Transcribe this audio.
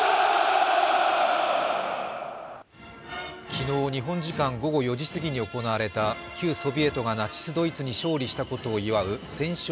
昨日、日本時間午後４時過ぎに行われた旧ソビエトがナチス・ドイツに勝利したことを祝う戦勝